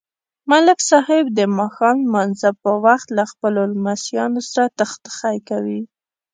ملک صاحب د ماښام نمانځه په وخت له خپلو لمسیانو سره ټخټخی کوي.